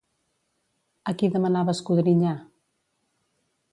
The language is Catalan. A qui demanava escodrinyar?